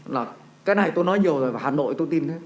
là cái này tôi nói nhiều rồi và hà nội tôi tin thế